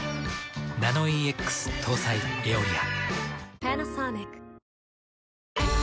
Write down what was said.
ナノイーＸ搭載「エオリア」。